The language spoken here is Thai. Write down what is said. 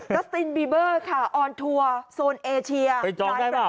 ดัสตินบีเบอร์ค่ะออนทัวร์โซนเอเชียไปจองได้เปล่า